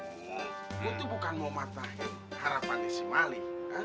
lo tuh bukan mau matahin harapannya si malik